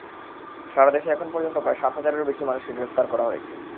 সারা দেশে এখন পর্যন্ত প্রায় সাত হাজারেরও বেশি মানুষকে গ্রেপ্তার করা হয়েছে।